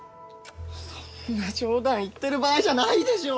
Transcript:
そんな冗談言ってる場合じゃないでしょ！